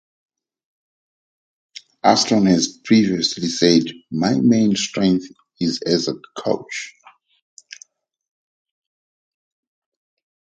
Ashton has previously said, My main strength is as a coach.